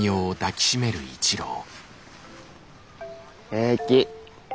平気！